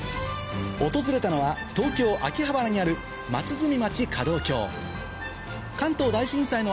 訪れたのは東京・秋葉原にあるここはですね